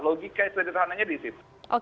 logika sederhananya disitu